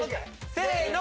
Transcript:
せの！